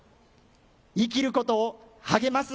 生きることを励ます